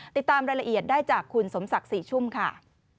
ติดตามรายละเอียดได้จากคุณสมศักดิ์ศรีชุ่มค่ะ